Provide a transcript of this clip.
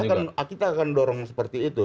iya kita akan dorong seperti itu